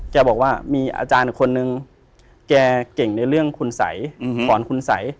แกบอกว่ามีอาจารย์อีกคนนึงแกเก่งในเรื่องคุณสัยสอนคุณสัย